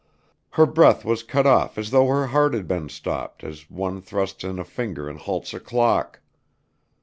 Her breath was cut off as though her heart had been stopped, as when one thrusts in a finger and halts a clock.